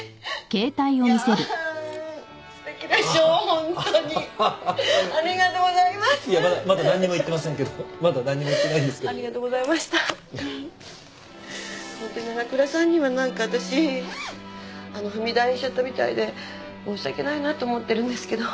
ホント長倉さんには何か私踏み台にしちゃったみたいで申し訳ないなと思ってるんですけど。